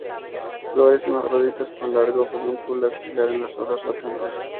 Flores hermafroditas con largo pedúnculo axilar en las hojas flotantes.